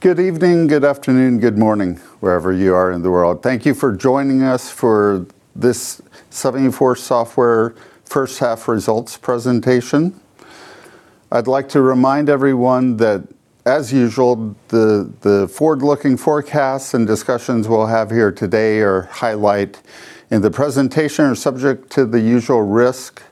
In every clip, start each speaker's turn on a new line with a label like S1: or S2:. S1: Good evening, good afternoon, good morning, wherever you are in the world. Thank you for joining us for this 74Software first half results presentation. I'd like to remind everyone that, as usual, the forward-looking forecasts and discussions we'll have here today or highlight in the presentation are subject to the usual risk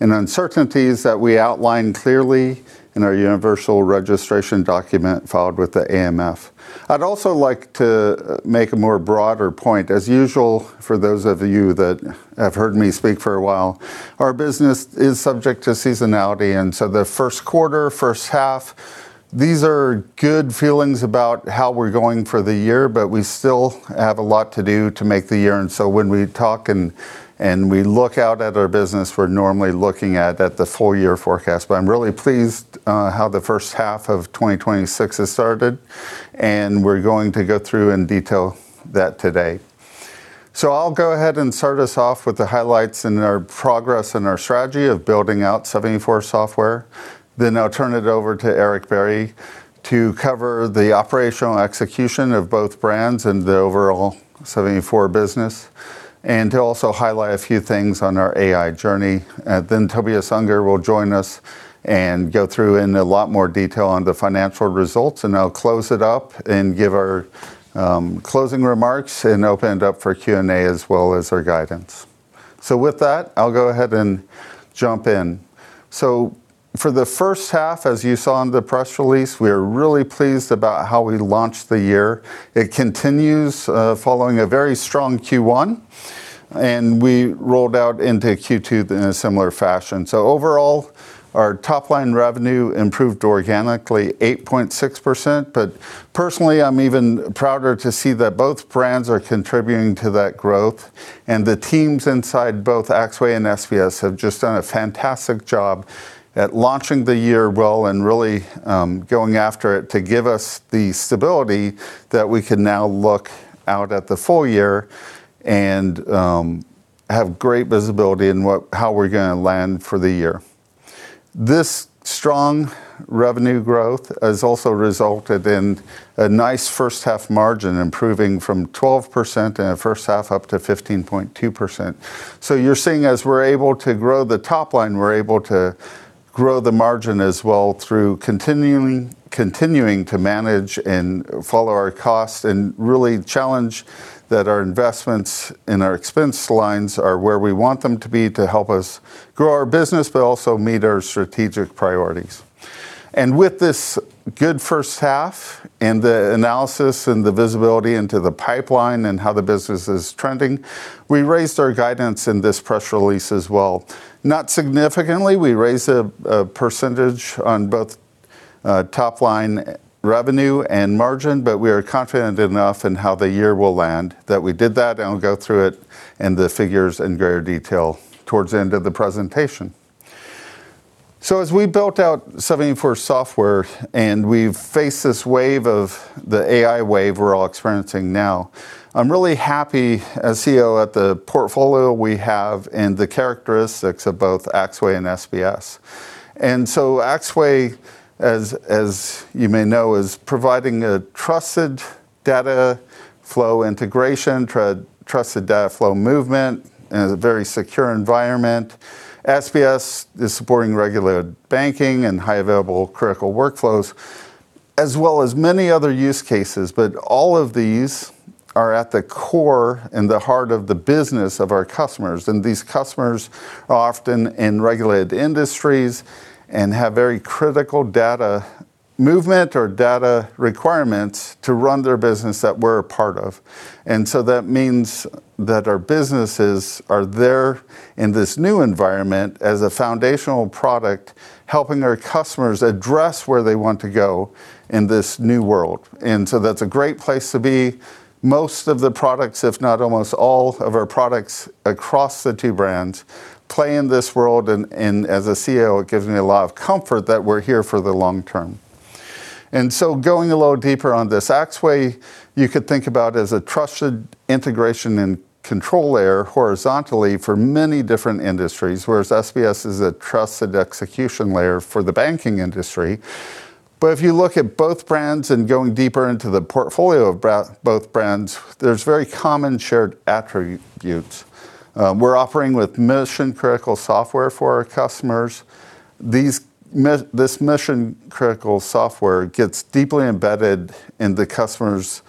S1: and uncertainties that we outline clearly in our universal registration document filed with the AMF. I'd also like to make a more broader point. As usual, for those of you that have heard me speak for a while, our business is subject to seasonality, and so the first quarter, first half, these are good feelings about how we're going for the year, but we still have a lot to do to make the year. When we talk and we look out at our business, we're normally looking at the full-year forecast. I'm really pleased how the first half of 2026 has started, and we're going to go through and detail that today. I'll go ahead and start us off with the highlights and our progress and our strategy of building out 74Software. I'll turn it over to Éric Bierry to cover the operational execution of both brands and the overall 74 business, and he'll also highlight a few things on our AI journey. Tobias Unger will join us and go through in a lot more detail on the financial results, and I'll close it up and give our closing remarks and open it up for Q&A as well as our guidance. With that, I'll go ahead and jump in. For the first half, as you saw in the press release, we're really pleased about how we launched the year. It continues following a very strong Q1, and we rolled out into Q2 in a similar fashion. Overall, our top-line revenue improved organically 8.6%, but personally, I'm even prouder to see that both brands are contributing to that growth. The teams inside both Axway and SBS have just done a fantastic job at launching the year well and really going after it to give us the stability that we can now look out at the full year and have great visibility in how we're going to land for the year. This strong revenue growth has also resulted in a nice first half margin, improving from 12% in the first half up to 15.2%. You're seeing as we're able to grow the top line, we're able to grow the margin as well through continuing to manage and follow our costs, and really challenge that our investments and our expense lines are where we want them to be to help us grow our business, but also meet our strategic priorities. With this good first half and the analysis and the visibility into the pipeline and how the business is trending, we raised our guidance in this press release as well. Not significantly, we raised a percentage on both top-line revenue and margin, but we are confident enough in how the year will land that we did that, and we'll go through it in the figures in greater detail towards the end of the presentation. As we built out 74Software, we've faced this wave of the AI wave we're all experiencing now, I'm really happy as CEO at the portfolio we have and the characteristics of both Axway and SBS. Axway, as you may know, is providing a trusted data flow integration, trusted data flow movement, and is a very secure environment. SBS is supporting regulated banking and high available critical workflows, as well as many other use cases. All of these are at the core and the heart of the business of our customers, and these customers are often in regulated industries and have very critical data movement or data requirements to run their business that we're a part of. That means that our businesses are there in this new environment as a foundational product, helping our customers address where they want to go in this new world. That's a great place to be. Most of the products, if not almost all of our products across the two brands, play in this world, and as a CEO, it gives me a lot of comfort that we're here for the long term. Going a little deeper on this, Axway you could think about as a trusted integration and control layer horizontally for many different industries, whereas SBS is a trusted execution layer for the banking industry. If you look at both brands and going deeper into the portfolio of both brands, there's very common shared attributes. We're offering with mission-critical software for our customers. This mission-critical software gets deeply embedded in the customer's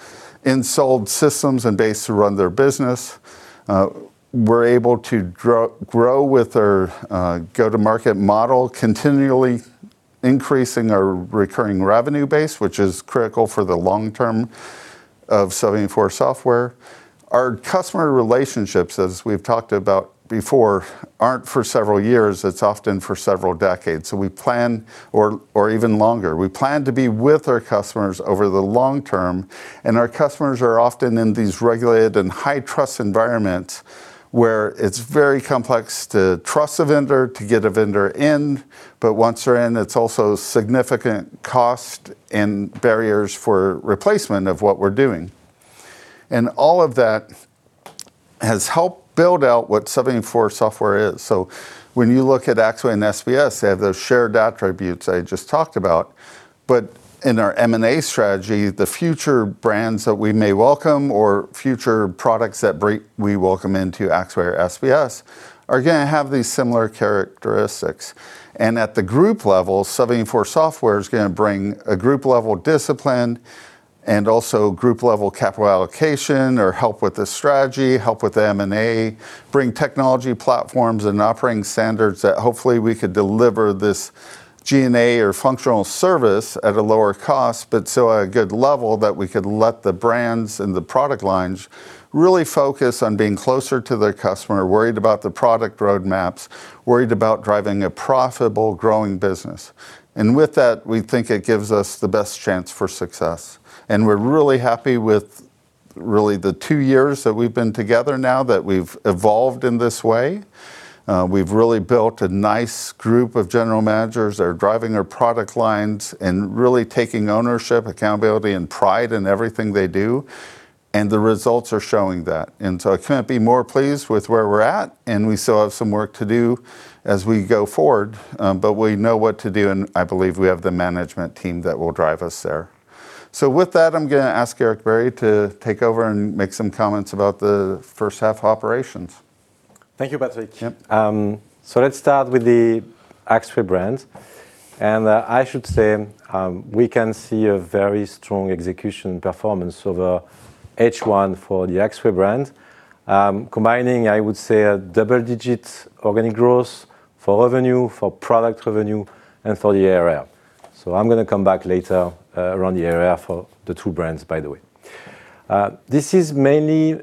S1: installed systems and base to run their business. We're able to grow with our go-to-market model, continually increasing our recurring revenue base, which is critical for the long term of 74Software. Our customer relationships, as we've talked about before, aren't for several years, it's often for several decades, or even longer. We plan to be with our customers over the long term, and our customers are often in these regulated and high-trust environments where it's very complex to trust a vendor to get a vendor in, but once they're in, it's also significant cost and barriers for replacement of what we're doing. All of that has helped build out what 74Software is. When you look at Axway and SBS, they have those shared attributes I just talked about. In our M&A strategy, the future brands that we may welcome or future products that we welcome into Axway or SBS are going to have these similar characteristics. At the group level, 74Software is going to bring a group-level discipline and also group-level capital allocation or help with the strategy, help with M&A, bring technology platforms and operating standards that hopefully we could deliver this G&A or functional service at a lower cost, but still at a good level that we could let the brands and the product lines really focus on being closer to their customer, worried about the product roadmaps, worried about driving a profitable growing business. With that, we think it gives us the best chance for success, and we're really happy with really the two years that we've been together now that we've evolved in this way. We've really built a nice group of general managers that are driving their product lines and really taking ownership, accountability, and pride in everything they do, and the results are showing that. I couldn't be more pleased with where we're at, and we still have some work to do as we go forward. We know what to do, and I believe we have the management team that will drive us there. With that, I'm going to ask Éric Bierry to take over and make some comments about the first half operations.
S2: Thank you, Patrick.
S1: Yep.
S2: Let's start with the Axway brand, and I should say we can see a very strong execution performance over H1 for the Axway brand. Combining, I would say, a double-digit organic growth for revenue, for product revenue, and for the ARR. I'm going to come back later around the ARR for the two brands, by the way. This is mainly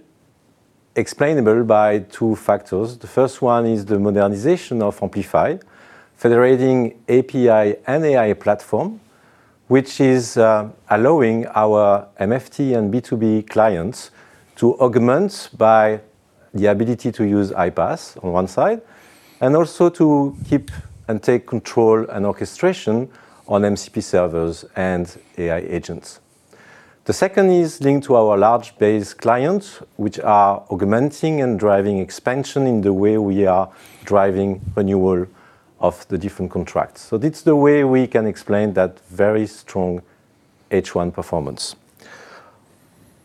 S2: explainable by two factors. The first one is the modernization of Amplify, federating API and AI platform, which is allowing our MFT and B2B clients to augment by the ability to use iPaaS on one side and also to keep and take control and orchestration on MCP servers and AI agents. The second is linked to our large base clients, which are augmenting and driving expansion in the way we are driving renewal of the different contracts. That's the way we can explain that very strong H1 performance.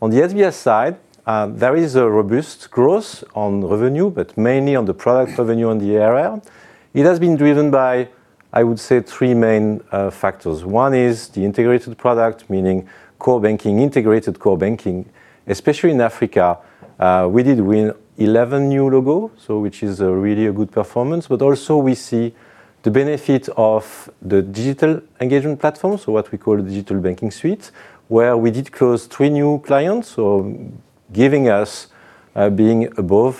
S2: On the SBS side, there is a robust growth on revenue, but mainly on the product revenue and the ARR. It has been driven by, I would say, three main factors. One is the integrated product, meaning core banking, integrated core banking, especially in Africa. We did win 11 new logo, which is really a good performance. Also we see the benefit of the Digital Banking Engagement Platform, so what we call the SBP Digital Banking Suite, where we did close three new clients, so giving us being above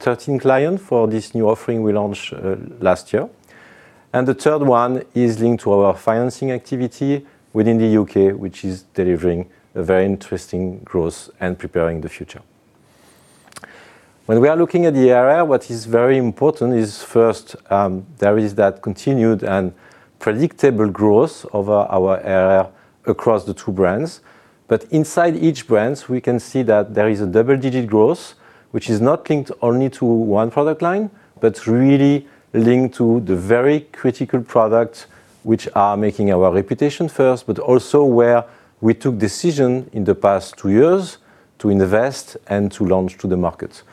S2: 13 client for this new offering we launched last year. The third one is linked to our financing activity within the U.K., which is delivering a very interesting growth and preparing the future. When we are looking at the ARR, what is very important is first, there is that continued and predictable growth of our ARR across the two brands. Inside each brands, we can see that there is a double-digit growth, which is not linked only to one product line, but really linked to the very critical product, which are making our reputation first, but also where we took decision in the past two years to invest and to launch to the market.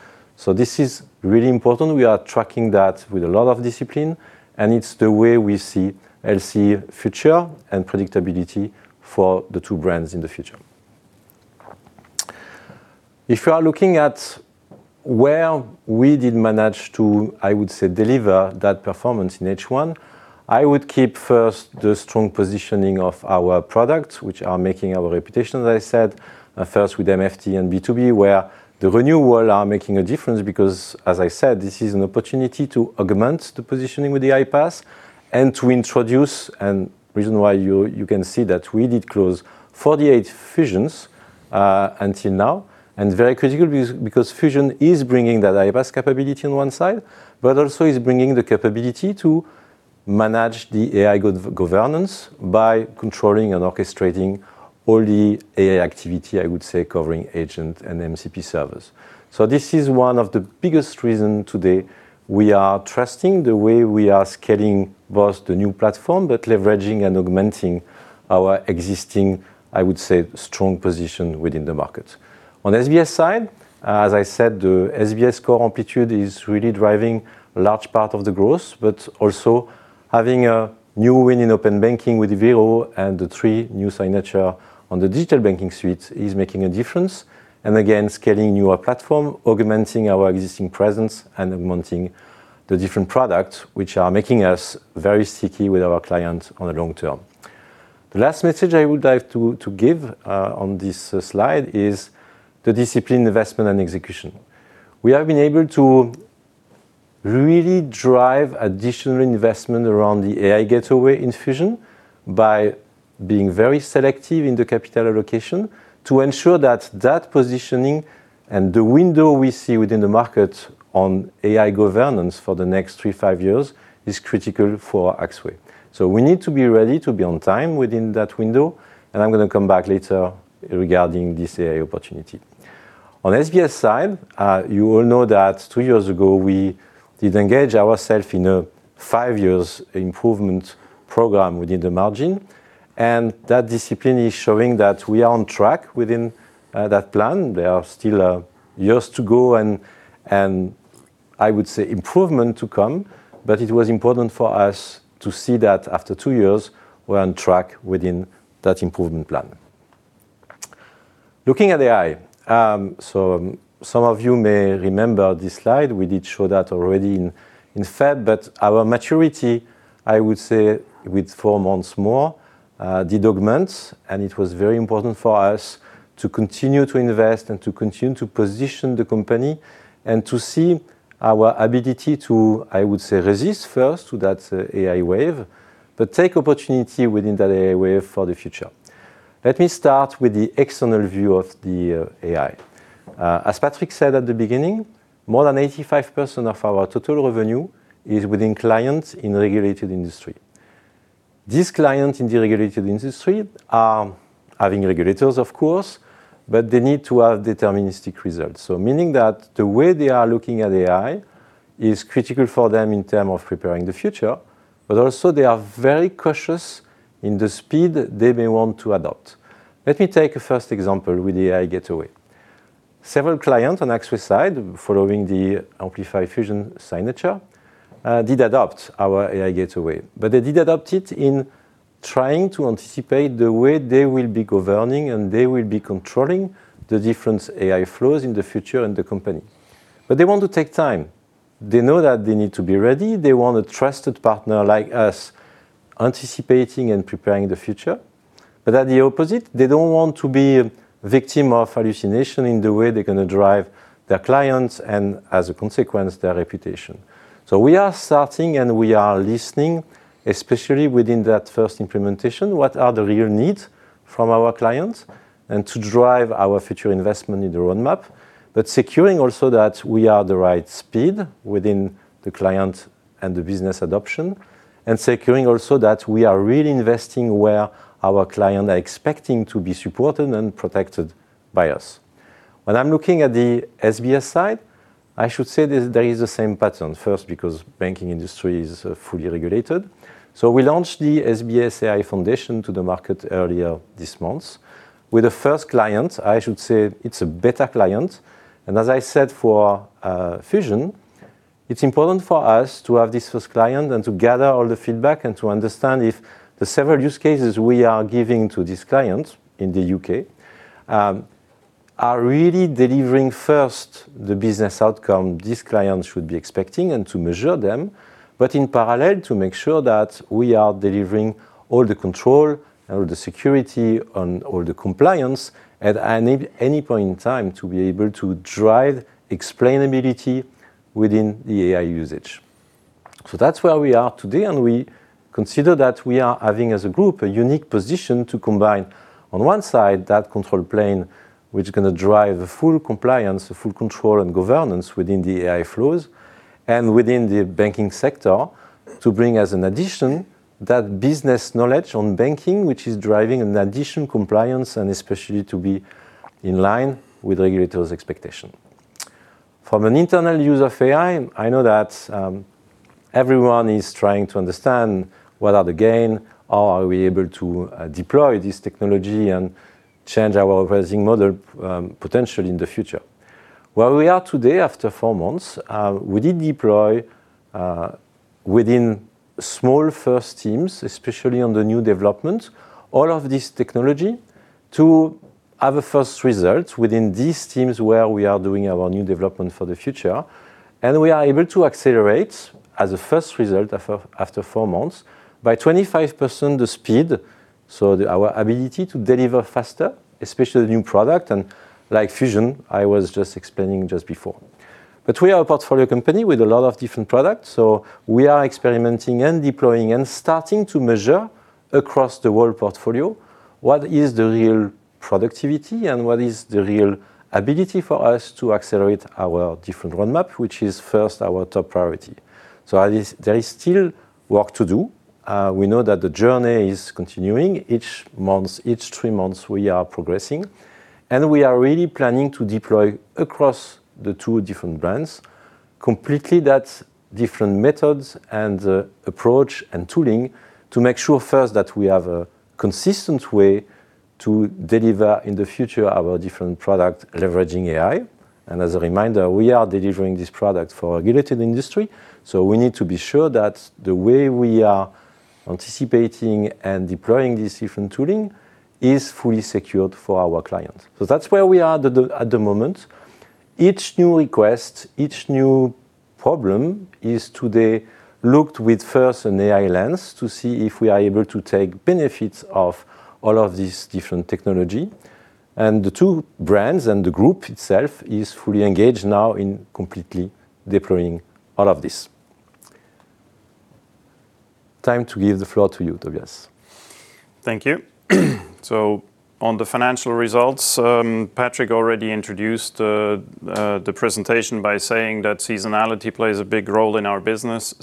S2: This is really important. We are tracking that with a lot of discipline, and it's the way we see healthy future and predictability for the two brands in the future. If you are looking at where we did manage to, I would say, deliver that performance in H1, I would keep first the strong positioning of our products, which are making our reputation, as I said, first with MFT and B2B, where the renewal are making a difference because, as I said, this is an opportunity to augment the positioning with the iPaaS and to introduce, and reason why you can see that we did close 48 Fusions, until now, and very critical because Fusion is bringing that iPaaS capability on one side, but also is bringing the capability to manage the AI governance by controlling and orchestrating all the AI activity, I would say, covering agent and MCP servers. This is one of the biggest reason today we are trusting the way we are scaling both the new platform, but leveraging and augmenting our existing, I would say, strong position within the market. On SBS side, as I said, the SBS Core Amplitude is really driving a large part of the growth, but also having a new win in open banking with Vero and the three new signature on the Digital Banking Suite is making a difference and again, scaling newer platform, augmenting our existing presence, and augmenting the different products, which are making us very sticky with our clients on the long term. The last message I would like to give on this slide is the discipline, investment, and execution. We have been able to really drive additional investment around the Amplify AI Gateway in Amplify Fusion by being very selective in the capital allocation to ensure that that positioning and the window we see within the market on AI governance for the next three, five years is critical for Axway. We need to be ready to be on time within that window, and I'm going to come back later regarding this AI opportunity. On SBS side, you will know that two years ago, we did engage ourself in a five years improvement program within the margin, and that discipline is showing that we are on track within that plan. There are still years to go and I would say improvement to come, but it was important for us to see that after two years we're on track within that improvement plan. Looking at AI. Some of you may remember this slide. We did show that already in February, but our maturity, I would say with four months more, did augment and it was very important for us to continue to invest and to continue to position the company and to see our ability to, I would say, resist first to that AI wave, but take opportunity within that AI wave for the future. Let me start with the external view of the AI. As Patrick said at the beginning, more than 85% of our total revenue is within clients in regulated industry. These clients in the regulated industry are having regulators, of course, but they need to have deterministic results. Meaning that the way they are looking at AI is critical for them in terms of preparing the future, but also they are very cautious in the speed they may want to adopt. Let me take a first example with AI Gateway. Several clients on Axway side following the Amplify Fusion signature, did adopt our AI Gateway, but they did adopt it in trying to anticipate the way they will be governing and they will be controlling the different AI flows in the future in the company. They want to take time. They know that they need to be ready. They want a trusted partner like us anticipating and preparing the future. At the opposite, they don't want to be a victim of hallucination in the way they're going to drive their clients and as a consequence, their reputation. We are starting and we are listening, especially within that first implementation, what are the real needs from our clients and to drive our future investment in the roadmap, but securing also that we are the right speed within the client and the business adoption. Securing also that we are really investing where our client are expecting to be supported and protected by us. When I'm looking at the SBS side, I should say there is the same pattern. First, because banking industry is fully regulated. We launched the SBS AI Foundation to the market earlier this month with the first client, I should say it's a beta client. As I said, for Fusion, it's important for us to have this first client and to gather all the feedback and to understand if the several use cases we are giving to this client in the U.K. are really delivering first the business outcome this client should be expecting and to measure them. In parallel to make sure that we are delivering all the control, all the security and all the compliance at any point in time to be able to drive explainability within the AI usage. That's where we are today, and we consider that we are having, as a group, a unique position to combine on one side that control plane, which is going to drive a full compliance, a full control and governance within the AI flows and within the banking sector to bring as an addition that business knowledge on banking, which is driving an addition compliance and especially to be in line with regulators' expectation. From an internal use of AI, I know that everyone is trying to understand what are the gain or are we able to deploy this technology and change our pricing model, potentially in the future. Where we are today after four months, we did deploy within small first teams, especially on the new development, all of this technology to have a first result within these teams where we are doing our new development for the future, and we are able to accelerate as a first result after four months by 25% the speed. Our ability to deliver faster, especially new product and like Fusion, I was just explaining just before. We are a portfolio company with a lot of different products, so we are experimenting and deploying and starting to measure across the world portfolio what is the real productivity and what is the real ability for us to accelerate our different roadmap, which is first our top priority. There is still work to do. We know that the journey is continuing. Each month, each three months we are progressing and we are really planning to deploy across the two different brands completely that different methods and approach and tooling to make sure first that we have a consistent way to deliver in the future our different product leveraging AI. As a reminder, we are delivering this product for regulated industry. We need to be sure that the way we are anticipating and deploying this different tooling is fully secured for our clients. That's where we are at the moment. Each new request, each new problem is today looked with first an AI lens to see if we are able to take benefits of all of these different technology. The two brands and the group itself is fully engaged now in completely deploying all of this. Time to give the floor to you, Tobias.
S3: Thank you. On the financial results, Patrick already introduced the presentation by saying that seasonality plays a big role in our business.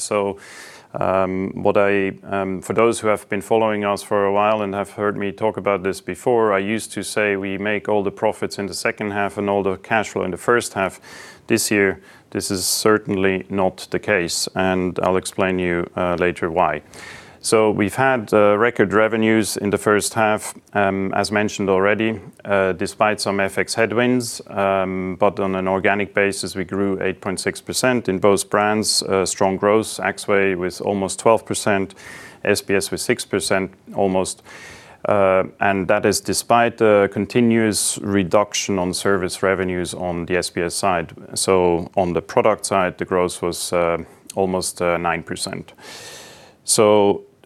S3: For those who have been following us for a while and have heard me talk about this before, I used to say we make all the profits in the second half and all the cash flow in the first half. This year, this is certainly not the case, and I'll explain to you later why. We've had record revenues in the first half, as mentioned already, despite some FX headwinds. On an organic basis, we grew 8.6% in both brands. Strong growth, Axway with almost 12%, SBS with 6% almost. That is despite a continuous reduction on service revenues on the SBS side. On the product side, the growth was almost 9%.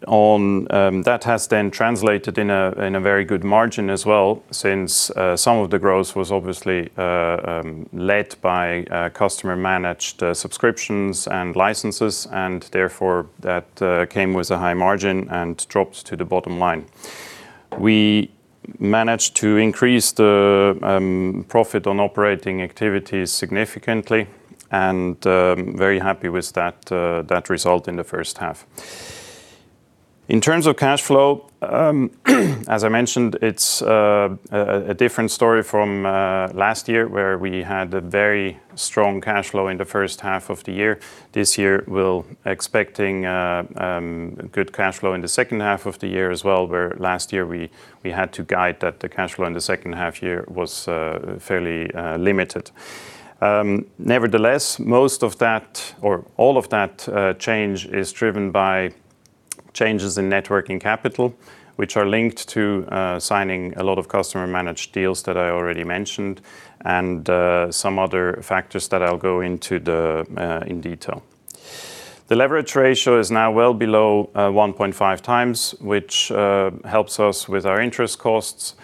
S3: That has translated in a very good margin as well since some of the growth was obviously led by customer-managed subscriptions and licenses, and therefore, that came with a high margin and dropped to the bottom line. We managed to increase the profit on operating activities significantly and very happy with that result in the first half. In terms of cash flow, as I mentioned, it is a different story from last year, where we had a very strong cash flow in the first half of the year. This year, we are expecting good cash flow in the second half of the year as well, where last year we had to guide that the cash flow in the second half year was fairly limited. Most of that or all of that change is driven by changes in net working capital, which are linked to signing a lot of customer-managed deals that I already mentioned and some other factors that I will go into in detail. The leverage ratio is now well below 1.5x, which helps us with our interest costs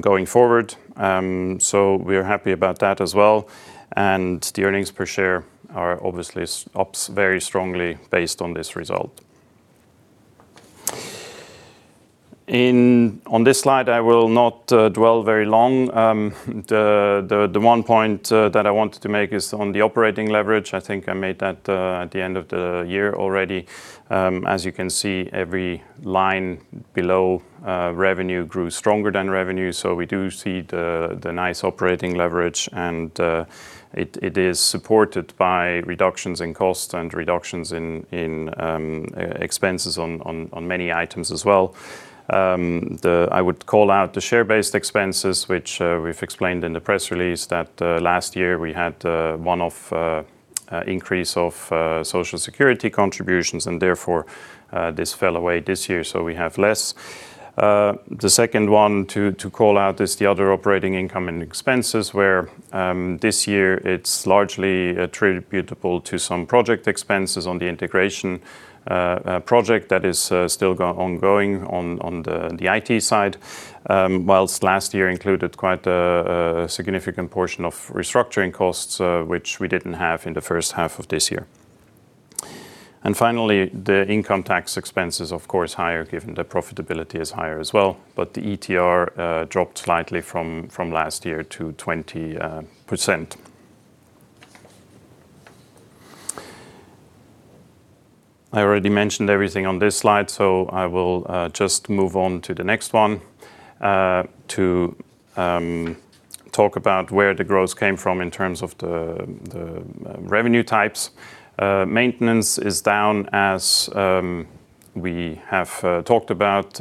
S3: going forward. We are happy about that as well. The earnings per share are obviously up very strongly based on this result. On this slide, I will not dwell very long. The one point that I wanted to make is on the operating leverage. I think I made that at the end of the year already. You can see, every line below revenue grew stronger than revenue. We do see the nice operating leverage, it is supported by reductions in cost and reductions in expenses on many items as well. I would call out the share-based expenses, which we have explained in the press release that last year we had one-off increase of Social Security contributions, therefore, this fell away this year, so we have less. The second one to call out is the other operating income and expenses, where this year it is largely attributable to some project expenses on the integration project that is still ongoing on the IT side. Whilst last year included quite a significant portion of restructuring costs, which we did not have in the first half of this year. Finally, the income tax expense is of course higher given the profitability is higher as well, but the ETR dropped slightly from last year to 20%. I already mentioned everything on this slide, I will just move on to the next one to talk about where the growth came from in terms of the revenue types. Maintenance is down as we have talked about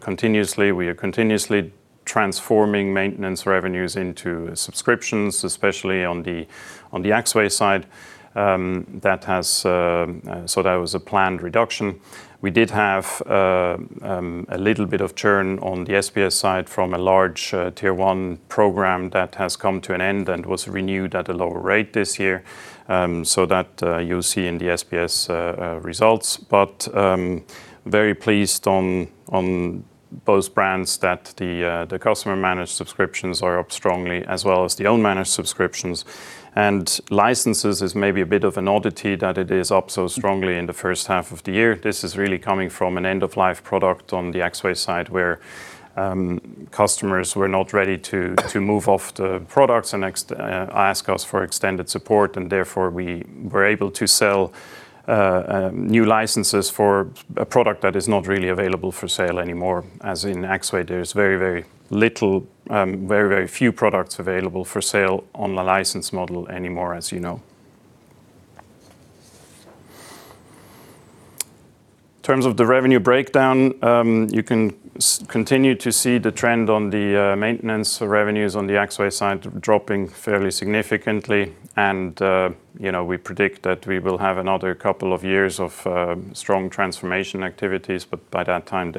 S3: continuously. We are continuously transforming maintenance revenues into subscriptions, especially on the Axway side. That was a planned reduction. We did have a little bit of churn on the SBS side from a large tier 1 program that has come to an end and was renewed at a lower rate this year. That you will see in the SBS results. Very pleased on both brands that the customer managed subscriptions are up strongly as well as the own managed subscriptions. Licenses is maybe a bit of an oddity that it is up so strongly in the first half of the year. This is really coming from an end-of-life product on the Axway side, where customers were not ready to move off the products and ask us for extended support, and therefore we were able to sell new licenses for a product that is not really available for sale anymore. In Axway, there's very few products available for sale on the license model anymore, as you know. In terms of the revenue breakdown, you can continue to see the trend on the maintenance revenues on the Axway side dropping fairly significantly. We predict that we will have another couple of years of strong transformation activities. By that time,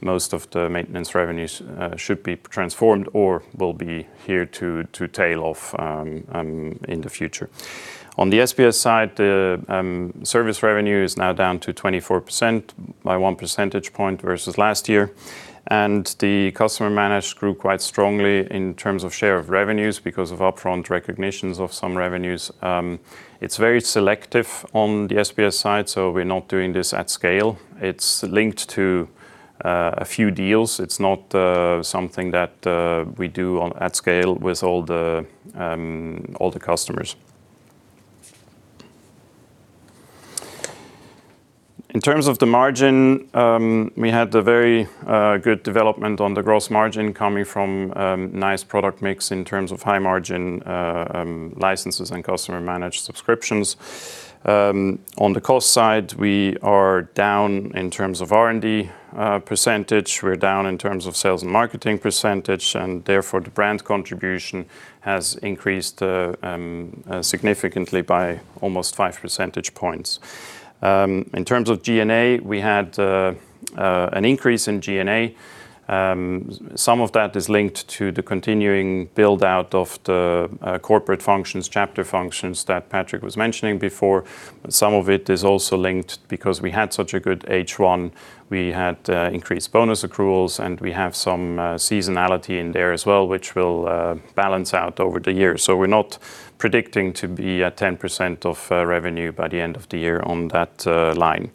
S3: most of the maintenance revenues should be transformed or will be here to tail off in the future. On the SBS side, the service revenue is now down to 24% by one percentage point versus last year. The customer managed grew quite strongly in terms of share of revenues because of upfront recognitions of some revenues. It's very selective on the SBS side. We're not doing this at scale. It's linked to a few deals. It's not something that we do at scale with all the customers. In terms of the margin, we had a very good development on the gross margin coming from nice product mix in terms of high-margin licenses and customer managed subscriptions. On the cost side, we are down in terms of R&D percentage, we're down in terms of sales and marketing percentage, and therefore, the brand contribution has increased significantly by almost five percentage points. In terms of G&A, we had an increase in G&A. Some of that is linked to the continuing build-out of the corporate functions, chapter functions that Patrick was mentioning before. Some of it is also linked because we had such a good H1, we had increased bonus accruals, and we have some seasonality in there as well, which will balance out over the year. We're not predicting to be at 10% of revenue by the end of the year on that line.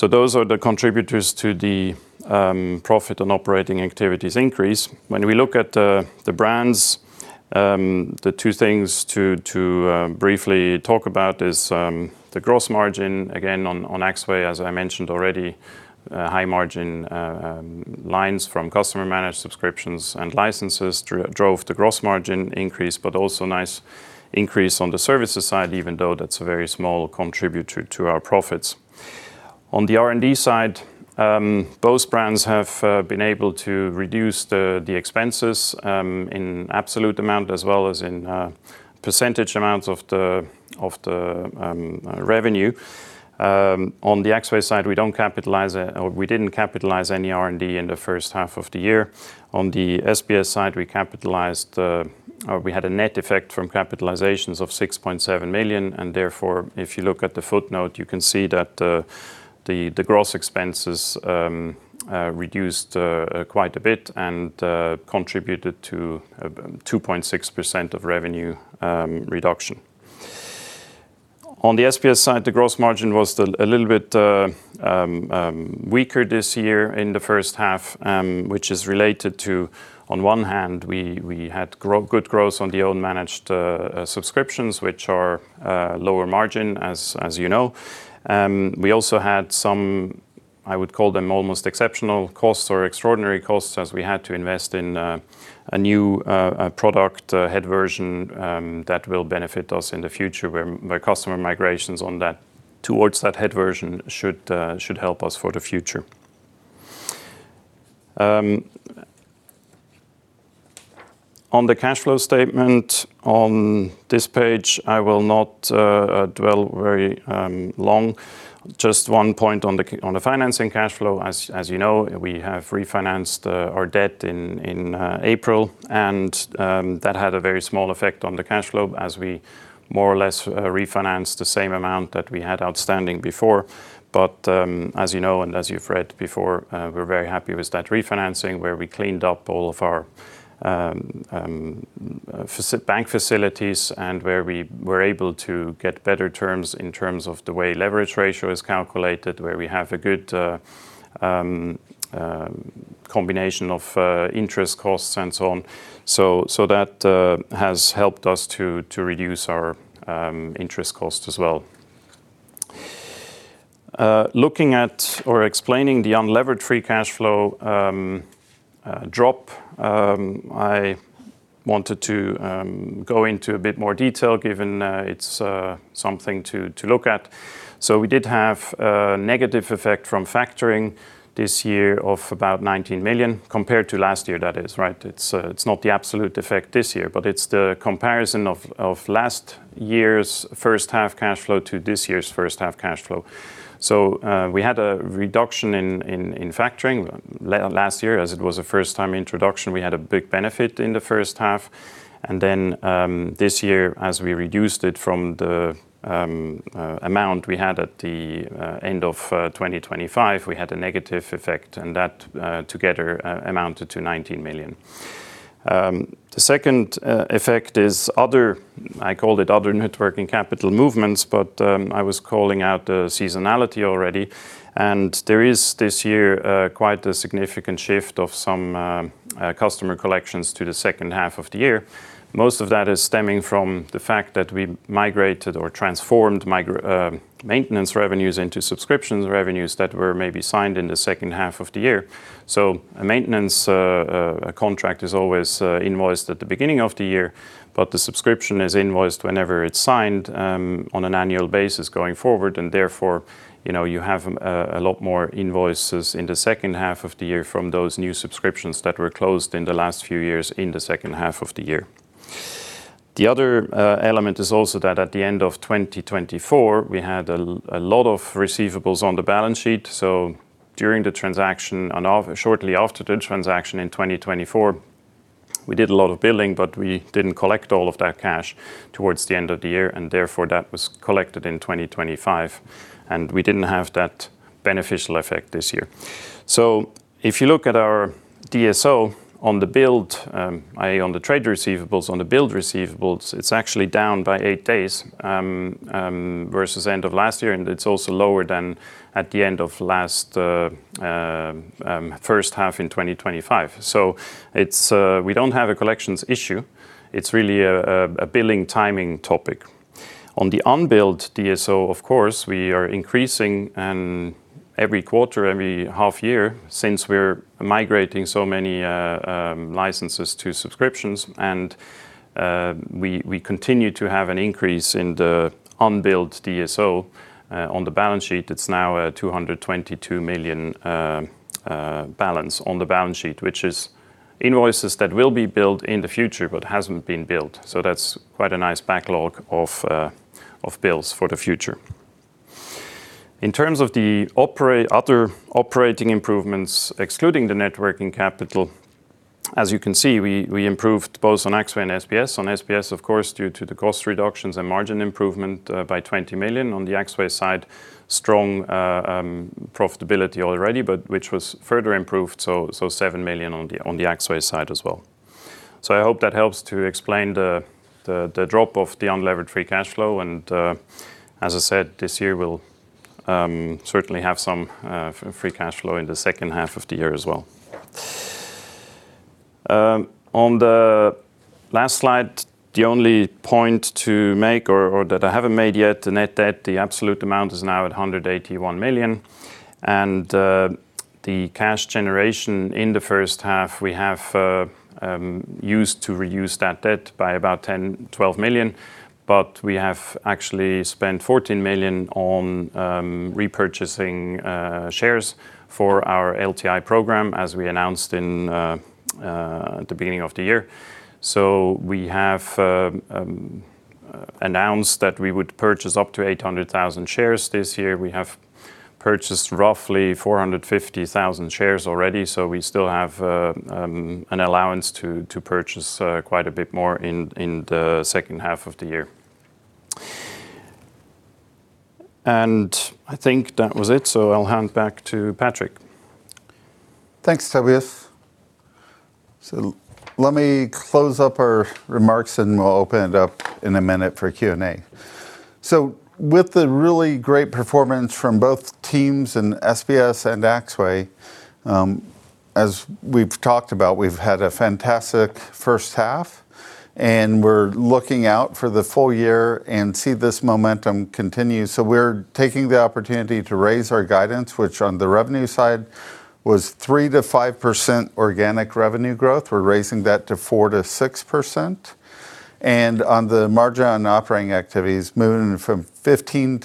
S3: Those are the contributors to the profit on operating activities increase. When we look at the brands, the two things to briefly talk about is the gross margin. Again, on Axway, as I mentioned already, high margin lines from customer managed subscriptions and licenses drove the gross margin increase, but also nice increase on the services side, even though that's a very small contributor to our profits. On the R&D side, both brands have been able to reduce the expenses in absolute amount as well as in percentage amounts of the revenue. On the Axway side, we didn't capitalize any R&D in the first half of the year. On the SBS side, we had a net effect from capitalizations of 6.7 million, and therefore, if you look at the footnote, you can see that the gross expenses reduced quite a bit and contributed to a 2.6% of revenue reduction. On the SBS side, the gross margin was a little bit weaker this year in the first half, which is related to, on one hand, we had good growth on the owned managed subscriptions, which are lower margin, as you know. We also had some, I would call them almost exceptional costs or extraordinary costs, as we had to invest in a new product head version that will benefit us in the future where customer migrations towards that head version should help us for the future. On the cash flow statement on this page, I will not dwell very long. Just one point on the financing cash flow, as you know, we have refinanced our debt in April. That had a very small effect on the cash flow as we more or less refinanced the same amount that we had outstanding before. As you know, and as you've read before, we're very happy with that refinancing where we cleaned up all of our bank facilities and where we were able to get better terms in terms of the way leverage ratio is calculated, where we have a good combination of interest costs and so on. That has helped us to reduce our interest cost as well. Looking at or explaining the unlevered free cash flow drop, I wanted to go into a bit more detail, given it's something to look at. We did have a negative effect from factoring this year of about 19 million compared to last year that is. It's not the absolute effect this year, but it's the comparison of last year's first half cash flow to this year's first half cash flow. We had a reduction in factoring last year as it was a first-time introduction. We had a big benefit in the first half. This year, as we reduced it from the amount we had at the end of 2025, we had a negative effect. That together amounted to 19 million. The second effect is other, I called it other net working capital movements, but I was calling out seasonality already. There is this year quite a significant shift of some customer collections to the second half of the year. Most of that is stemming from the fact that we migrated or transformed maintenance revenues into subscriptions revenues that were maybe signed in the second half of the year. A maintenance contract is always invoiced at the beginning of the year, but the subscription is invoiced whenever it's signed on an annual basis going forward. Therefore, you have a lot more invoices in the second half of the year from those new subscriptions that were closed in the last few years in the second half of the year. The other element is also that at the end of 2024, we had a lot of receivables on the balance sheet. During the transaction and shortly after the transaction in 2024, we did a lot of billing, but we didn't collect all of that cash towards the end of the year. Therefore, that was collected in 2025. We didn't have that beneficial effect this year. If you look at our DSO on the billed, i.e., on the trade receivables, on the billed receivables, it's actually down by eight days versus end of last year. It's also lower than at the end of last first half in 2025. We don't have a collections issue. It's really a billing timing topic. On the unbilled DSO, of course, we are increasing every quarter, every half year, since we're migrating so many licenses to subscriptions. We continue to have an increase in the unbilled DSO on the balance sheet. It's now a 222 million balance on the balance sheet, which is invoices that will be billed in the future but hasn't been billed. That's quite a nice backlog of bills for the future. In terms of the other operating improvements, excluding the net working capital, as you can see, we improved both on Axway and SBS. On SBS, of course, due to the cost reductions and margin improvement by 20 million. On the Axway side, strong profitability already, but which was further improved, 7 million on the Axway side as well. I hope that helps to explain the drop of the unlevered free cash flow, and, as I said, this year will certainly have some free cash flow in the second half of the year as well. On the last slide, the only point to make or that I haven't made yet, the net debt, the absolute amount is now at 181 million. The cash generation in the first half, we have used to reduce that debt by about 10 million-12 million, but we have actually spent 14 million on repurchasing shares for our LTI program, as we announced at the beginning of the year. We have announced that we would purchase up to 800,000 shares this year. We have purchased roughly 450,000 shares already, we still have an allowance to purchase quite a bit more in the second half of the year. I think that was it, I'll hand back to Patrick.
S1: Thanks, Tobias. Let me close up our remarks, and we'll open it up in a minute for Q&A. With the really great performance from both teams in SBS and Axway, as we've talked about, we've had a fantastic first half, and we're looking out for the full year and see this momentum continue. We're taking the opportunity to raise our guidance, which on the revenue side was 3%-5% organic revenue growth. We're raising that to 4%-6%. On the margin on operating activities, moving from 15%-17%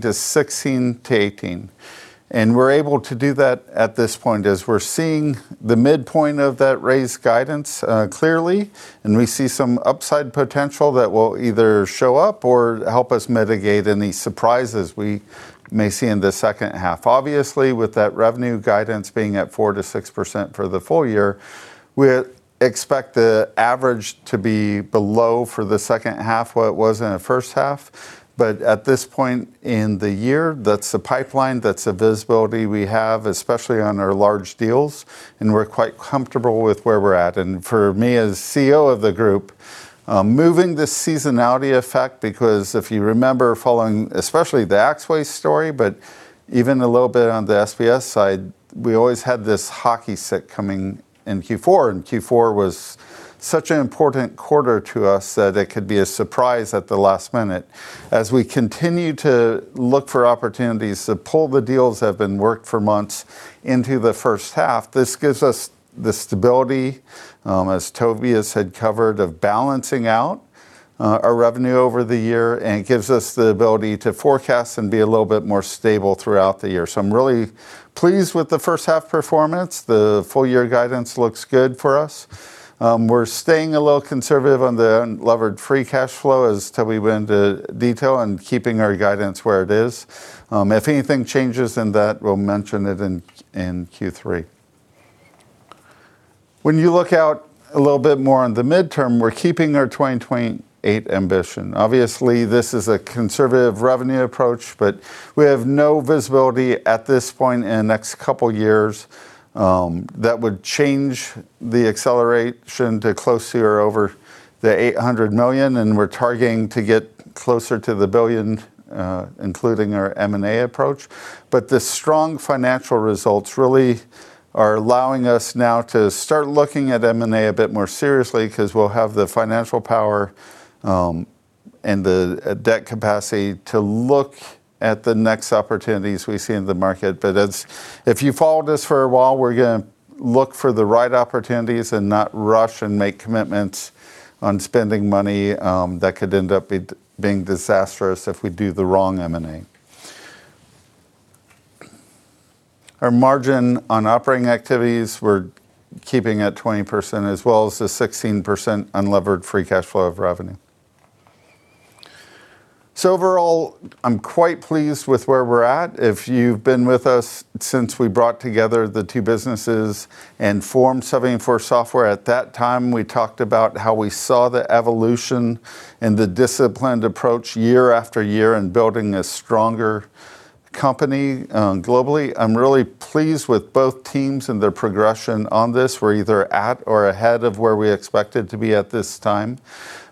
S1: to 16%-18%. We're able to do that at this point as we're seeing the midpoint of that raised guidance clearly, and we see some upside potential that will either show up or help us mitigate any surprises we may see in the second half. Obviously, with that revenue guidance being at 4%-6% for the full year, we expect the average to be below for the second half what it was in the first half. At this point in the year, that's the pipeline, that's the visibility we have, especially on our large deals, and we're quite comfortable with where we're at. For me as CEO of the group, moving the seasonality effect, because if you remember following especially the Axway story, but even a little bit on the SBS side, we always had this hockey stick coming in Q4. Q4 was such an important quarter to us that it could be a surprise at the last minute. We continue to look for opportunities to pull the deals that have been worked for months into the first half, this gives us the stability, as Tobias had covered, of balancing out our revenue over the year, and it gives us the ability to forecast and be a little bit more stable throughout the year. I'm really pleased with the first half performance. The full year guidance looks good for us. We're staying a little conservative on the unlevered free cash flow as Toby went into detail on keeping our guidance where it is. If anything changes in that, we'll mention it in Q3. When you look out a little bit more on the midterm, we're keeping our 2028 ambition. Obviously, this is a conservative revenue approach, but we have no visibility at this point in the next couple years that would change the acceleration to close to or over 800 million, and we're targeting to get closer to 1 billion, including our M&A approach. The strong financial results really are allowing us now to start looking at M&A a bit more seriously because we'll have the financial power and the debt capacity to look at the next opportunities we see in the market. If you've followed us for a while, we're going to look for the right opportunities and not rush and make commitments on spending money that could end up being disastrous if we do the wrong M&A. Our margin on operating activities we're keeping at 20%, as well as the 16% unlevered free cash flow of revenue. Overall, I'm quite pleased with where we're at. If you've been with us since we brought together the two businesses and formed 74Software, at that time, we talked about how we saw the evolution and the disciplined approach year after year in building a stronger company globally. I'm really pleased with both teams and their progression on this. We're either at or ahead of where we expected to be at this time.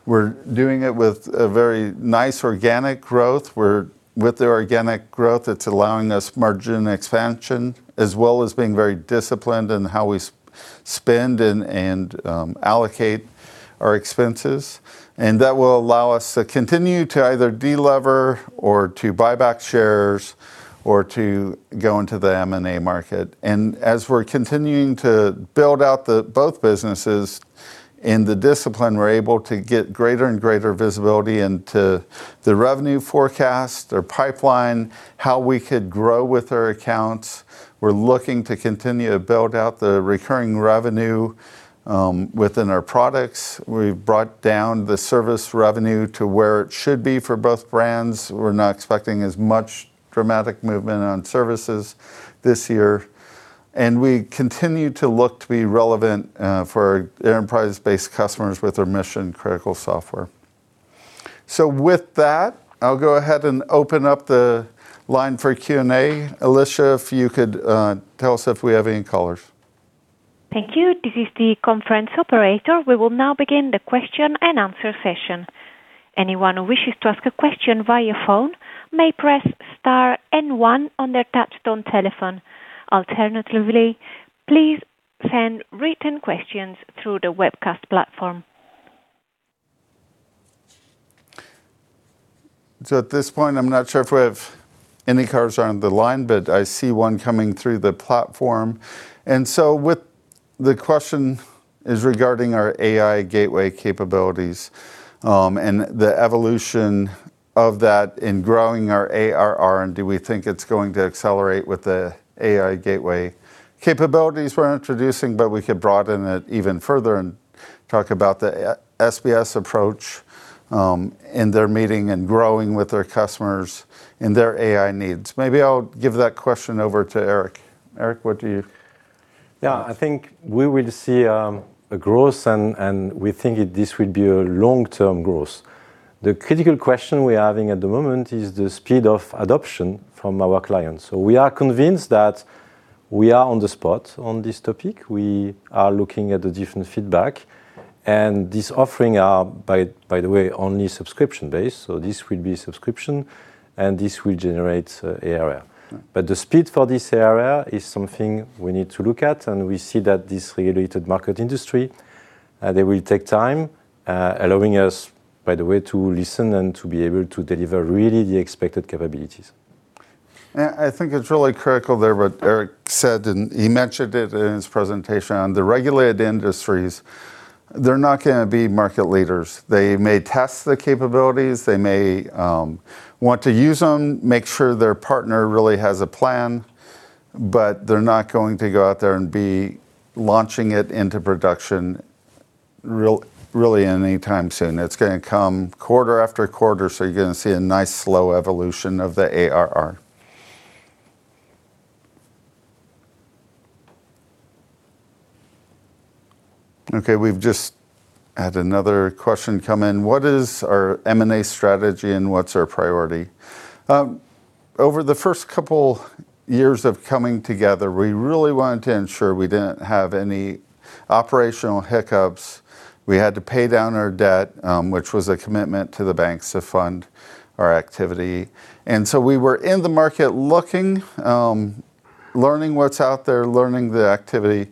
S1: We're doing it with a very nice organic growth. With the organic growth, it's allowing us margin expansion, as well as being very disciplined in how we spend and allocate our expenses. That will allow us to continue to either de-lever or to buy back shares or to go into the M&A market. As we're continuing to build out both businesses in the discipline, we're able to get greater and greater visibility into the revenue forecast, their pipeline, how we could grow with our accounts. We're looking to continue to build out the recurring revenue within our products. We've brought down the service revenue to where it should be for both brands. We're not expecting as much dramatic movement on services this year, and we continue to look to be relevant for enterprise-based customers with our mission-critical software. With that, I'll go ahead and open up the line for Q&A. Alicia, if you could tell us if we have any callers.
S4: Thank you. This is the conference operator. We will now begin the question-and-answer session. Anyone who wishes to ask a question via phone may press star and one on their touchtone telephone. Alternatively, please send written questions through the webcast platform.
S1: At this point, I'm not sure if we have any callers on the line, but I see one coming through the platform. The question is regarding our AI gateway capabilities and the evolution of that in growing our ARR, and do we think it's going to accelerate with the AI gateway capabilities we're introducing, but we could broaden it even further and talk about the SBS approach and their meeting and growing with their customers and their AI needs. Maybe I'll give that question over to Éric. Éric, what do you
S2: I think we will see a growth and we think this will be a long-term growth. The critical question we are having at the moment is the speed of adoption from our clients. We are convinced that we are on the spot on this topic. We are looking at the different feedback, and this offering are, by the way, only subscription-based, this will be subscription, and this will generate ARR. The speed for this ARR is something we need to look at, and we see that this regulated market industry, they will take time, allowing us, by the way, to listen and to be able to deliver really the expected capabilities.
S1: I think it's really critical there what Éric said, and he mentioned it in his presentation. On the regulated industries, they're not going to be market leaders. They may test the capabilities, they may want to use them, make sure their partner really has a plan, but they're not going to go out there and be launching it into production really anytime soon. It's going to come quarter after quarter, you're going to see a nice slow evolution of the ARR. We've just had another question come in. What is our M&A strategy and what's our priority? Over the first couple years of coming together, we really wanted to ensure we didn't have any operational hiccups. We had to pay down our debt, which was a commitment to the banks to fund our activity. We were in the market looking, learning what's out there, learning the activity,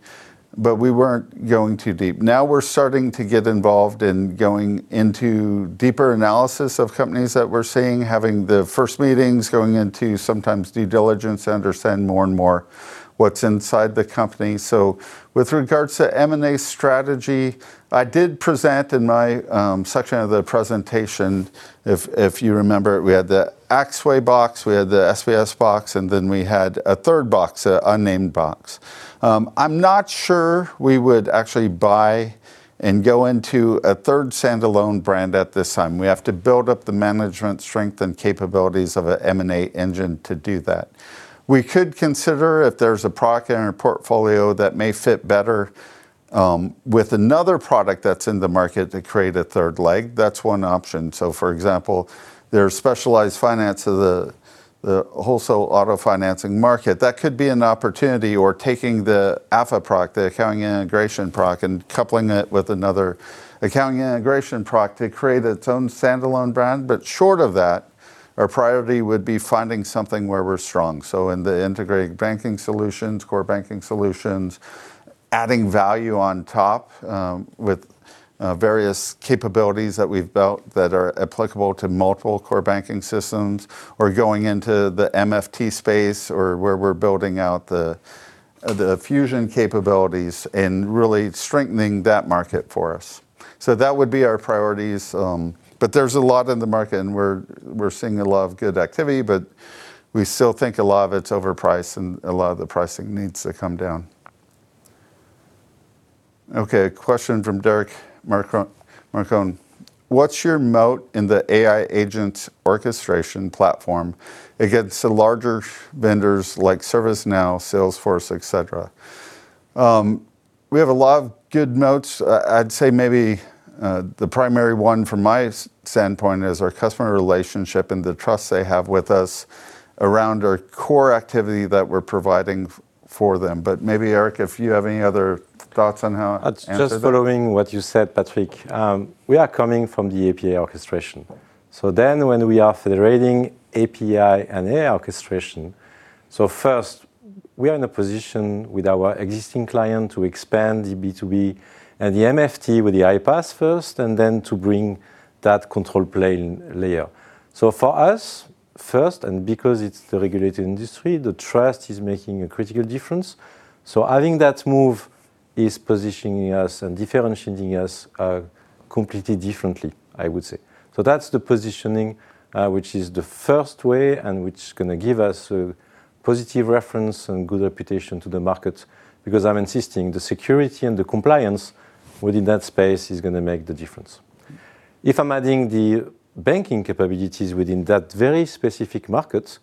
S1: but we weren't going too deep. Now we're starting to get involved in going into deeper analysis of companies that we're seeing, having the first meetings, going into sometimes due diligence to understand more and more what's inside the company. With regards to M&A strategy, I did present in my section of the presentation, if you remember, we had the Axway box, we had the SBS box, and then we had a third box, a unnamed box. I'm not sure we would actually buy and go into a third standalone brand at this time. We have to build up the management strength and capabilities of an M&A engine to do that. We could consider if there's a product in our portfolio that may fit better with another product that's in the market to create a third leg. That's one option. For example, there's specialized finance of the wholesale auto financing market. That could be an opportunity. Or taking the AFAH product, the accounting integration product, and coupling it with another accounting integration product to create its own standalone brand. Short of that, our priority would be finding something where we're strong. In the integrated banking solutions, core banking solutions, adding value on top with various capabilities that we've built that are applicable to multiple core banking systems, or going into the MFT space or where we're building out the fusion capabilities and really strengthening that market for us. That would be our priorities. There's a lot in the market, and we're seeing a lot of good activity, but we still think a lot of it's overpriced and a lot of the pricing needs to come down. Okay. A question from Derek Marcon. What's your moat in the AI agent orchestration platform against the larger vendors like ServiceNow, Salesforce, et cetera? We have a lot of good moats. I'd say maybe the primary one from my standpoint is our customer relationship and the trust they have with us around our core activity that we're providing for them. Maybe Éric, if you have any other thoughts on how to answer that.
S2: Just following what you said, Patrick. We are coming from the API orchestration. When we are federating API and AI orchestration, first we are in a position with our existing client to expand the B2B and the MFT with the iPaaS first, then to bring that control plane layer. For us first, because it's the regulated industry, the trust is making a critical difference. I think that move is positioning us and differentiating us completely differently, I would say. That's the positioning, which is the first way and which is going to give us a positive reference and good reputation to the market. I'm insisting the security and the compliance within that space is going to make the difference. If I'm adding the banking capabilities within that very specific market,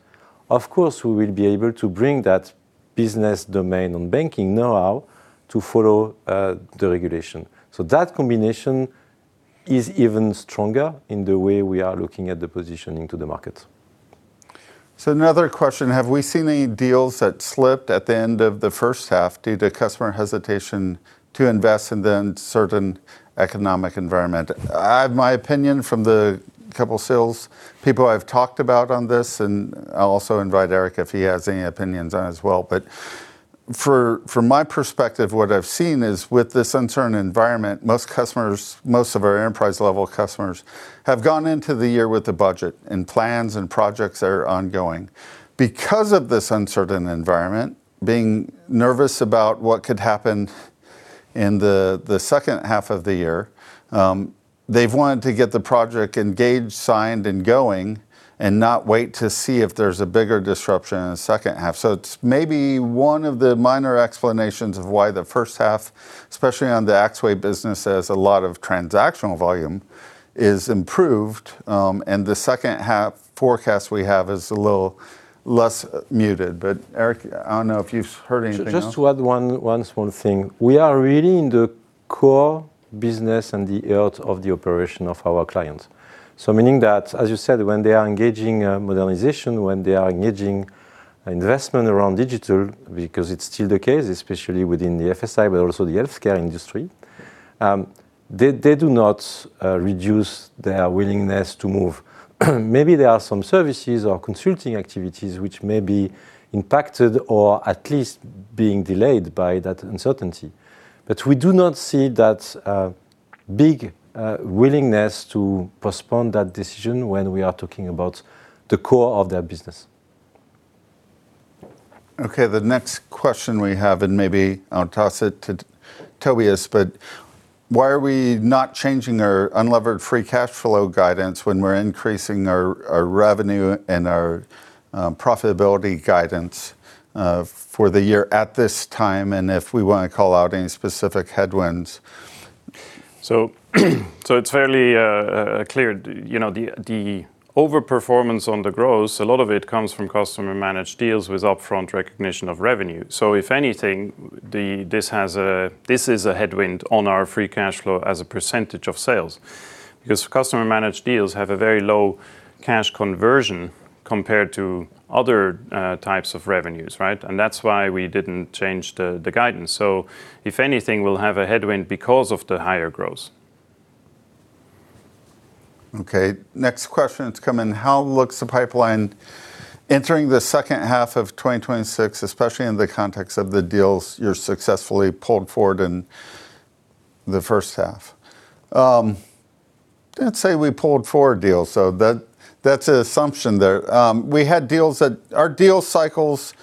S2: of course, we will be able to bring that business domain on banking know-how to follow the regulation. That combination is even stronger in the way we are looking at the positioning to the market.
S1: Another question. Have we seen any deals that slipped at the end of the first half due to customer hesitation to invest and then certain economic environment? I have my opinion from the couple sales people I've talked about on this, and I'll also invite Éric if he has any opinions on it as well. From my perspective, what I've seen is with this uncertain environment, most of our enterprise-level customers have gone into the year with a budget, and plans and projects are ongoing. Because of this uncertain environment, being nervous about what could happen in the second half of the year, they've wanted to get the project engaged, signed, and going, and not wait to see if there's a bigger disruption in the second half. It's maybe one of the minor explanations of why the first half, especially on the Axway business as a lot of transactional volume, is improved. The second half forecast we have is a little less muted. Éric, I don't know if you've heard anything else.
S2: Just to add one small thing. We are really in the core business and the heart of the operation of our clients. Meaning that, as you said, when they are engaging modernization, when they are engaging investment around digital, because it's still the case, especially within the FSI, but also the healthcare industry, they do not reduce their willingness to move. Maybe there are some services or consulting activities which may be impacted or at least being delayed by that uncertainty. We do not see that big willingness to postpone that decision when we are talking about the core of their business.
S1: Okay, the next question we have, and maybe I'll toss it to Tobias. Why are we not changing our unlevered free cash flow guidance when we're increasing our revenue and our profitability guidance for the year at this time? If we want to call out any specific headwinds.
S3: It's fairly clear. The over-performance on the growth, a lot of it comes from customer-managed deals with upfront recognition of revenue. If anything, this is a headwind on our free cash flow as a percentage of sales. Customer-managed deals have a very low cash conversion compared to other types of revenues, right? That's why we didn't change the guidance. If anything, we'll have a headwind because of the higher growth.
S1: Okay. Next question that's come in. How looks the pipeline entering the second half of 2026, especially in the context of the deals you successfully pulled forward in the first half? I'd say we pulled forward deals, that's an assumption there. Our deal cycles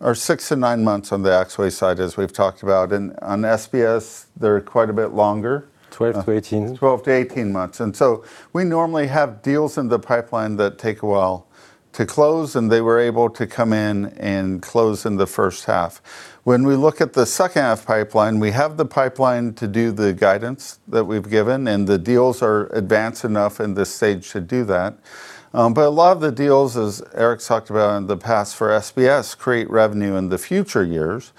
S1: are six to nine months on the Axway side, as we've talked about. On SBS, they're quite a bit longer.
S2: 12-18 months.
S1: 12-18 months. We normally have deals in the pipeline that take a while to close, and they were able to come in and close in the first half. When we look at the second half pipeline, we have the pipeline to do the guidance that we've given, and the deals are advanced enough in this stage to do that. A lot of the deals, as Éric's talked about in the past for SBS, create revenue in the future years.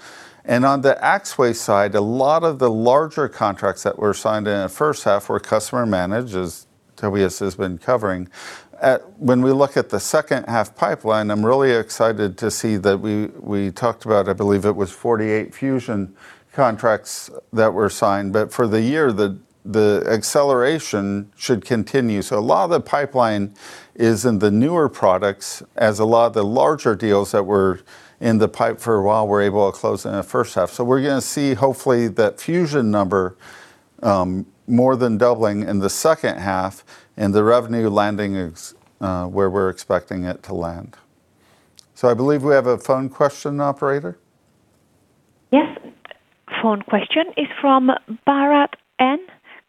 S1: On the Axway side, a lot of the larger contracts that were signed in the first half were customer managed, as Tobias has been covering. When we look at the second half pipeline, I'm really excited to see that we talked about, I believe it was 48 Fusion contracts that were signed. For the year, the acceleration should continue. A lot of the pipeline is in the newer products as a lot of the larger deals that were in the pipe for a while were able to close in the first half. We're going to see hopefully that Fusion number more than doubling in the second half and the revenue landing where we're expecting it to land. I believe we have a phone question, Operator?
S4: Yes. Phone question is from Bharath N.,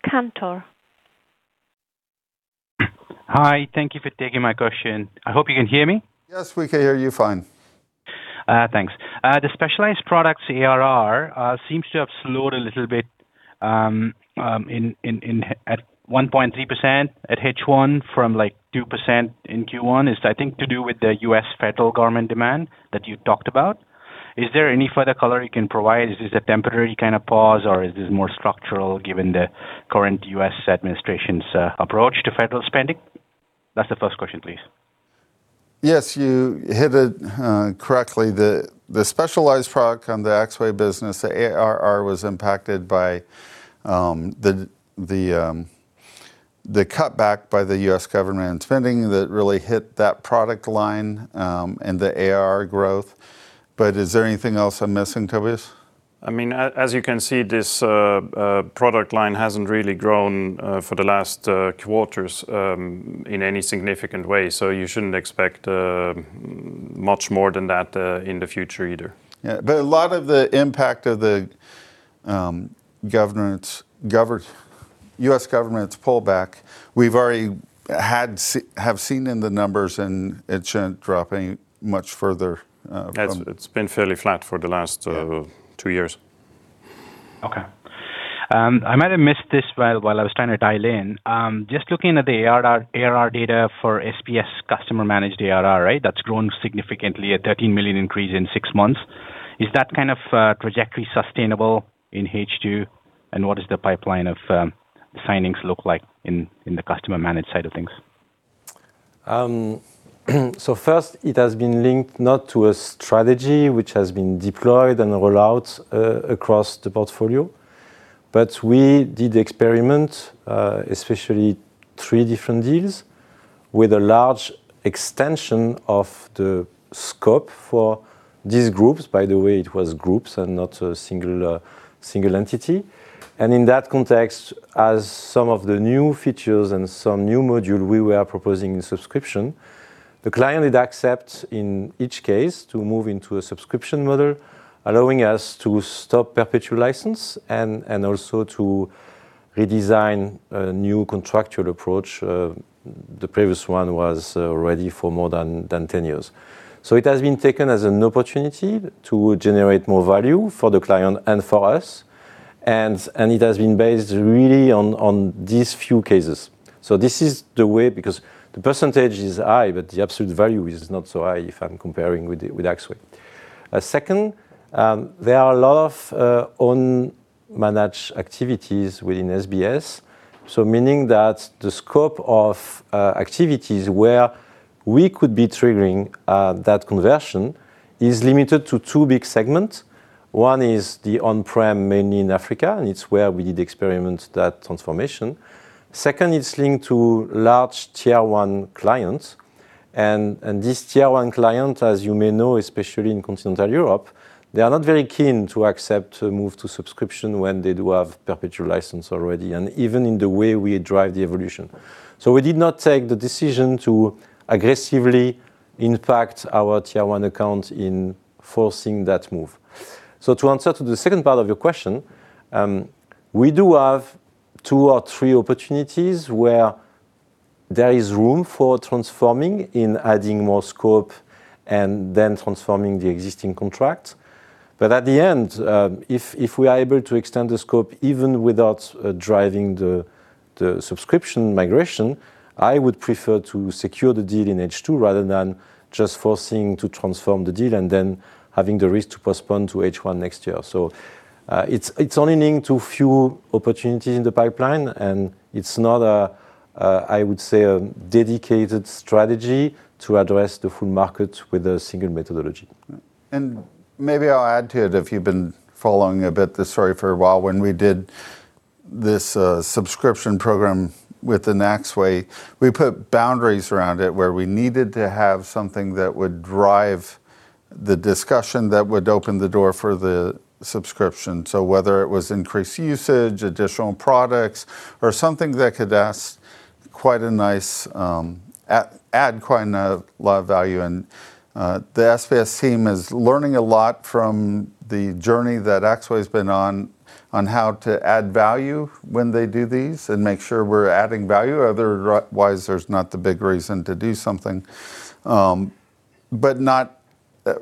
S4: Cantor.
S5: Hi. Thank you for taking my question. I hope you can hear me.
S1: Yes, we can hear you fine.
S5: Thanks. The specialized products ARR seems to have slowed a little bit at 1.3% at H1 from 2% in Q1. It's, I think, to do with the U.S. federal government demand that you talked about. Is there any further color you can provide? Is this a temporary kind of pause, or is this more structural given the current U.S. administration's approach to federal spending? That's the first question, please.
S1: Yes, you hit it correctly. The specialized product on the Axway business, the ARR, was impacted by the cutback by the U.S. government spending that really hit that product line, and the ARR growth. Is there anything else I'm missing, Tobias?
S3: As you can see, this product line hasn't really grown for the last quarters in any significant way, you shouldn't expect much more than that in the future either.
S1: Yeah. A lot of the impact of the U.S. government's pullback, we've already have seen in the numbers, and it shouldn't drop any much further from.
S3: It's been fairly flat for the last two years.
S5: Okay. I might have missed this while I was trying to dial in. Just looking at the ARR data for SBS customer-managed ARR, that's grown significantly at 13 million increase in six months. Is that kind of trajectory sustainable in H2, and what does the pipeline of signings look like in the customer-managed side of things?
S2: First, it has been linked not to a strategy which has been deployed and rolled out across the portfolio, but we did experiment, especially three different deals, with a large extension of the scope for these groups. By the way, it was groups and not a single entity. In that context, as some of the new features and some new module we were proposing in subscription, the client did accept in each case to move into a subscription model, allowing us to stop perpetual license and also to redesign a new contractual approach. The previous one was ready for more than 10 years. It has been taken as an opportunity to generate more value for the client and for us, and it has been based really on these few cases. This is the way, because the percentage is high, but the absolute value is not so high if I'm comparing with Axway. Second, there are a lot of unmanaged activities within SBS. Meaning that the scope of activities where we could be triggering that conversion is limited to two big segments. One is the on-prem, mainly in Africa, and it's where we did experiment that transformation. Second, it's linked to large tier 1 clients. This tier 1 client, as you may know, especially in continental Europe, they are not very keen to accept to move to subscription when they do have perpetual license already, and even in the way we drive the evolution. We did not take the decision to aggressively impact our tier 1 accounts in forcing that move. To answer to the second part of your question, we do have two or three opportunities where there is room for transforming in adding more scope and then transforming the existing contract. But at the end, if we are able to extend the scope, even without driving the subscription migration, I would prefer to secure the deal in H2 rather than just forcing to transform the deal and then having the risk to postpone to H1 next year. It's only linked to a few opportunities in the pipeline, and it's not, I would say, a dedicated strategy to address the full market with a single methodology.
S1: Maybe I'll add to it, if you've been following a bit this story for a while, when we did this subscription program with Axway, we put boundaries around it where we needed to have something that would drive the discussion that would open the door for the subscription. Whether it was increased usage, additional products, or something that could add quite a lot of value. The SBS team is learning a lot from the journey that Axway's been on how to add value when they do these and make sure we're adding value. Otherwise, there's not the big reason to do something. Not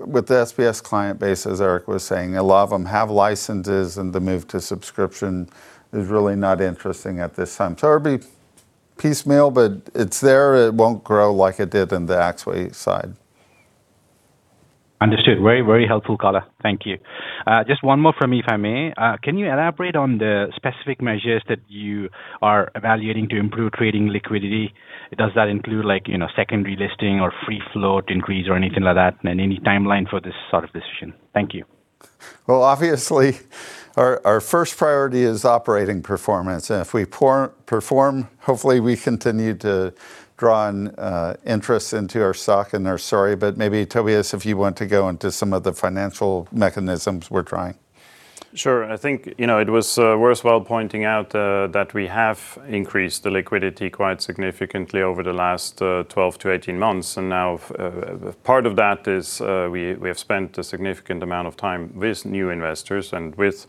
S1: with the SBS client base, as Éric was saying. A lot of them have licenses, and the move to subscription is really not interesting at this time. It'll be piecemeal, but it's there. It won't grow like it did in the Axway side.
S5: Understood. Very helpful color. Thank you. Just one more from me, if I may. Can you elaborate on the specific measures that you are evaluating to improve trading liquidity? Does that include secondary listing or free float increase or anything like that? Any timeline for this sort of decision? Thank you.
S1: Well, obviously, our first priority is operating performance. If we perform, hopefully we continue to draw in interest into our stock and our story. Maybe, Tobias, if you want to go into some of the financial mechanisms we're trying.
S3: Sure. I think it was worthwhile pointing out that we have increased the liquidity quite significantly over the last 12-18 months. Now part of that is we have spent a significant amount of time with new investors and with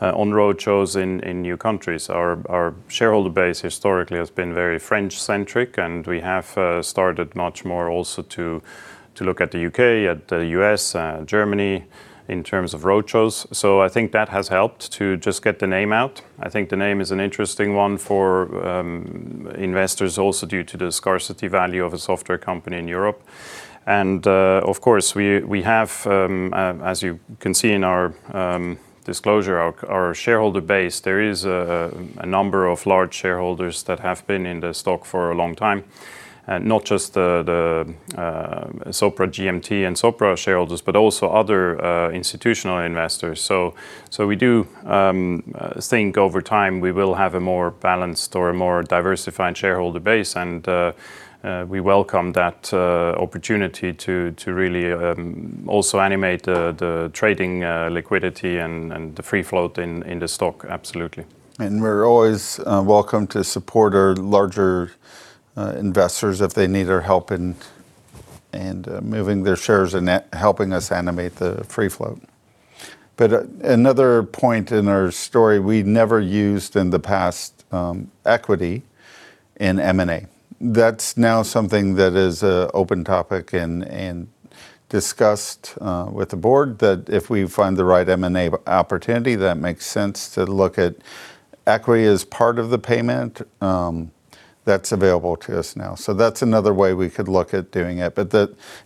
S3: on roadshows in new countries. Our shareholder base historically has been very French-centric, we have started much more also to look at the U.K., at the U.S., Germany in terms of roadshows. I think that has helped to just get the name out. I think the name is an interesting one for investors also due to the scarcity value of a software company in Europe. Of course, we have, as you can see in our disclosure, our shareholder base, there is a number of large shareholders that have been in the stock for a long time, not just the Sopra GMT and Sopra shareholders, but also other institutional investors. We do think over time we will have a more balanced or a more diversified shareholder base, and we welcome that opportunity to really also animate the trading liquidity and the free float in the stock. Absolutely.
S1: We're always welcome to support our larger investors if they need our help in moving their shares and helping us animate the free float. Another point in our story, we never used in the past, equity in M&A. That's now something that is an open topic and discussed with the board, that if we find the right M&A opportunity, that makes sense to look at equity as part of the payment, that's available to us now. That's another way we could look at doing it.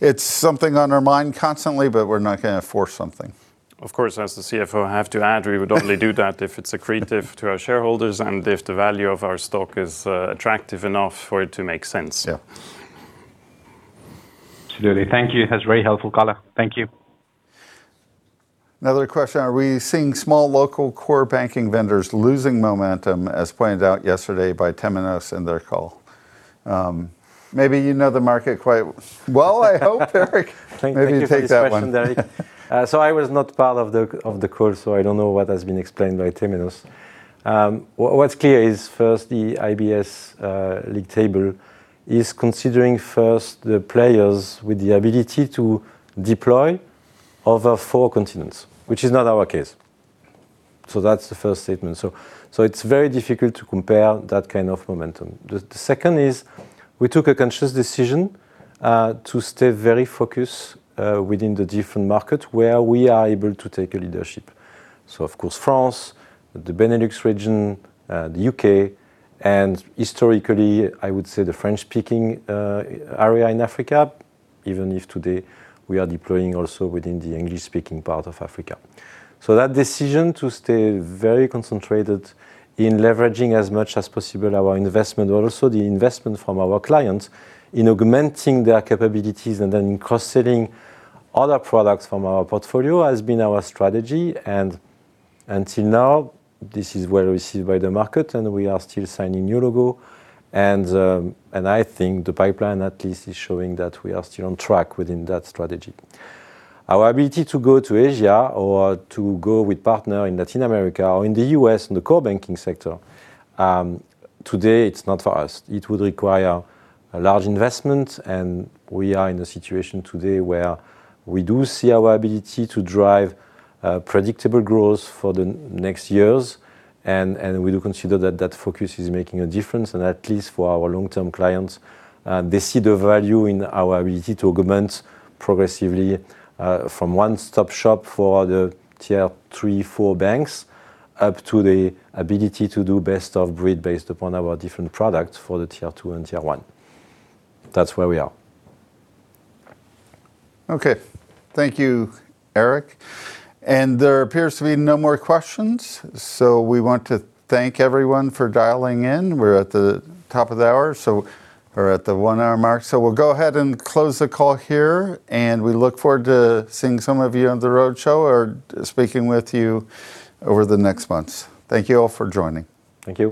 S1: It's something on our mind constantly, but we're not going to force something.
S3: Of course, as the CFO, I have to add, we would only do that if it's accretive to our shareholders and if the value of our stock is attractive enough for it to make sense.
S1: Yeah.
S5: Absolutely. Thank you. That's very helpful color. Thank you.
S1: Another question. Are we seeing small local core banking vendors losing momentum as pointed out yesterday by Temenos in their call? Maybe you know the market quite well, I hope, Éric. Maybe you take that one.
S2: Thank you for this question. I was not part of the call, so I don't know what has been explained by Temenos. What's clear is first, the IBS league table is considering first the players with the ability to deploy over four continents, which is not our case. That's the first statement. It's very difficult to compare that kind of momentum. The second is we took a conscious decision to stay very focused within the different markets where we are able to take a leadership. Of course, France, the Benelux region, the U.K., and historically, I would say the French-speaking area in Africa, even if today we are deploying also within the English-speaking part of Africa. That decision to stay very concentrated in leveraging as much as possible our investment, but also the investment from our clients in augmenting their capabilities and then cross-selling other products from our portfolio has been our strategy. Until now, this is well received by the market, and we are still signing new logo. I think the pipeline at least is showing that we are still on track within that strategy. Our ability to go to Asia or to go with partner in Latin America or in the U.S. in the core banking sector, today it's not for us. It would require a large investment, and we are in a situation today where we do see our ability to drive predictable growth for the next years. We do consider that that focus is making a difference, and at least for our long-term clients, they see the value in our ability to augment progressively from one-stop shop for the tier 3, 4 banks, up to the ability to do best of breed based upon our different products for the tier 2 and tier 1. That's where we are.
S1: Okay. Thank you, Éric. There appears to be no more questions, we want to thank everyone for dialing in. We're at the top of the hour, or at the one-hour mark, we'll go ahead and close the call here, and we look forward to seeing some of you on the roadshow or speaking with you over the next months. Thank you all for joining.
S3: Thank you.